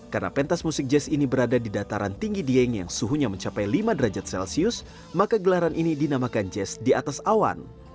karena pentas musik jazz ini berada di dataran tinggi dieng yang suhunya mencapai lima derajat celcius maka gelaran ini dinamakan jazz di atas awan